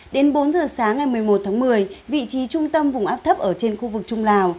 đến bốn giờ sáng ngày một mươi một tháng một mươi vị trí trung tâm vùng áp thấp ở trên khu vực trung lào